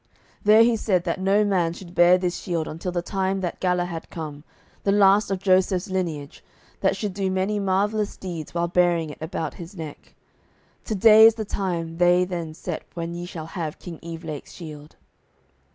Then he said that no man should bear this shield until the time that Galahad come, the last of Joseph's lineage, that should do many marvellous deeds while bearing it about his neck. To day is the time they then set when ye shall have King Evelake's shield."